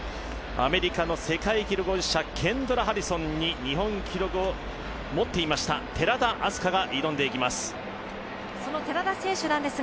アメリカの世界記録保持者ケンドラ・ハリソンに日本記録を持っていました寺田明日香が挑んでいきます。